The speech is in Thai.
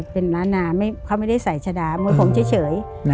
เป็นล้านนาเขาไม่ได้ใส่ชะดามวยผมเฉย